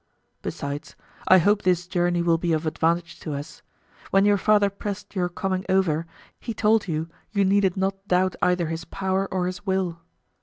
Besides, I hope this journey will be of advantage to us; when your father pressed your coming over he told you, you needed not doubt either his power or his will.